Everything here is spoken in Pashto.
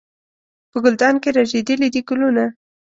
په ګلدان کې رژېدلي دي ګلونه